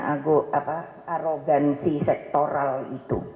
arogansi sektoral itu